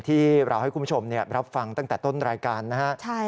ที่เราให้คุณผู้ชมรับฟังตั้งแต่ต้นรายการนะครับ